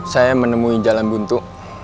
saya menemui jalan buntu